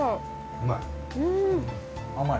うまい？